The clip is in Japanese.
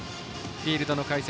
フィールドの解説